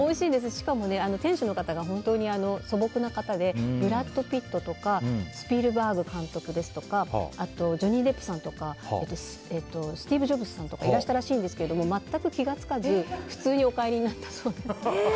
しかも店主の方が本当に素朴な方でブラッド・ピットとかスピルバーグ監督ですとかあとジョニー・デップさんとかスティーブ・ジョブズさんとかいらしたらしいんですけど全く気が付かず普通にお帰りになったそうです。